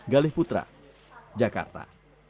galih putra jakarta